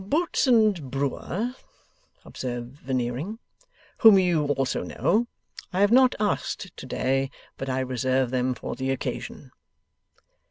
') 'Boots and Brewer,' observes Veneering, 'whom you also know, I have not asked to day; but I reserve them for the occasion.